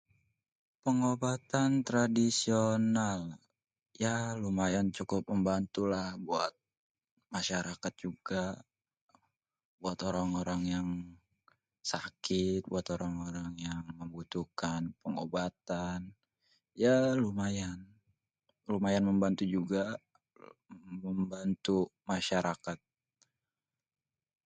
Pengobatan tradisional, ya lumayan cukup membantu lah buat masyarakat juga buat orang-orang yang sakit, buat orang-irang yang membutuhkan pengobatan, ya lumayan, lumayan membantu juga, membantu masyarakat.